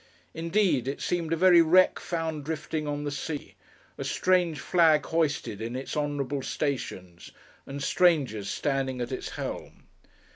Indeed, it seemed a very wreck found drifting on the sea; a strange flag hoisted in its honourable stations, and strangers standing at its helm.